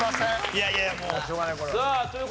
いやいやもうしょうがない。